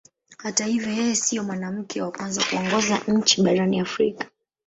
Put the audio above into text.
Hata hivyo yeye sio mwanamke wa kwanza kuongoza nchi barani Afrika.